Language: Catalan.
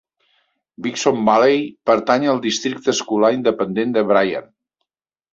Wixon Valley pertany al districte escolar independent de Bryan.